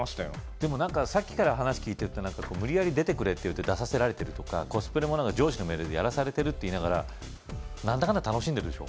でもなんかさっきから話聞いてると無理やり出てくれっていって出させられてるとかコスプレもなんか上司の命令でやらされてるって言いながらなんだかんだ楽しんでるでしょ？